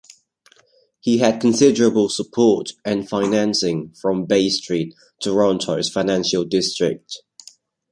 He had considerable support and financing from Bay Street, Toronto's financial district.